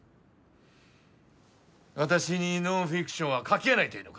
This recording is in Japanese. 私にノンフィクションは書けないと言うのか？